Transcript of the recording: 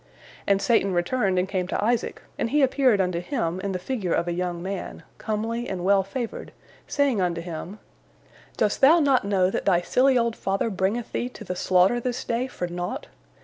And Satan returned and came to Isaac, and he appeared unto him in the figure of a young man, comely and well favored, saying unto him: "Dost thou not know that thy silly old father bringeth thee to the slaughter this day for naught?